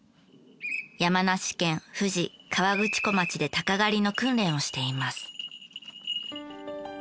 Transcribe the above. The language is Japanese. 山梨県富士河口湖町で鷹狩りの訓練をしています。